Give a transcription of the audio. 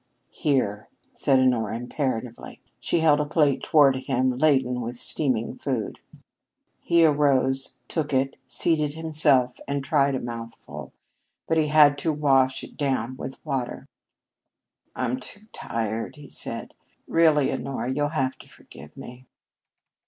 "Here!" said Honora imperatively. She held a plate toward him laden with steaming food. He arose, took it, seated himself, and tried a mouthful, but he had to wash it down with water. "I'm too tired," he said. "Really, Honora, you'll have to forgive me."